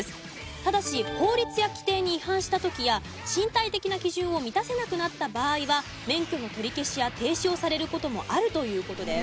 ただし法律や規定に違反した時や身体的な基準を満たせなくなった場合は免許の取り消しや停止をされる事もあるという事です。